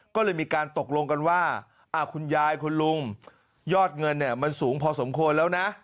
ก็เลยมีการตกลงกันว่าคุณยายคุณลุงยอดเงินเนี่ยมันสูงพอสมควรแล้วนะ